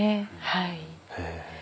はい。